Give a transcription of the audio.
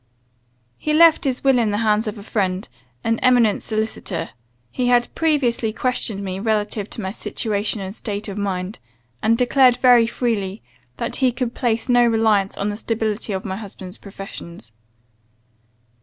He left his will in the hands of a friend, an eminent solicitor; he had previously questioned me relative to my situation and state of mind, and declared very freely, that he could place no reliance on the stability of my husband's professions.